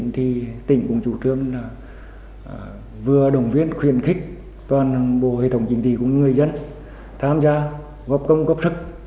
thì tỉnh cũng chủ trương là vừa đồng viên khuyên khích toàn bộ hệ thống chính trị cùng người dân tham gia góp công góp sức